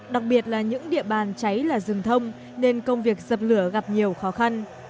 đặc biệt là những địa bàn cháy là rừng thông nên công việc dập lửa gặp nhiều khó khăn